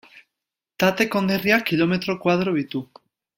Tate konderriak kilometro koadro ditu.